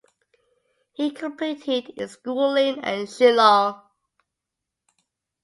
He completed his schooling at Shillong.